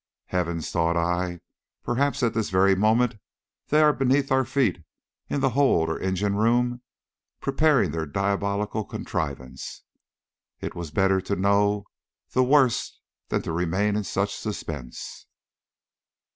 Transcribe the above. "Heavens!" thought I, "perhaps at this very moment they are beneath our feet, in the hold or engine room, preparing their diabolical contrivance!" It was better to know the worst than to remain in such suspense.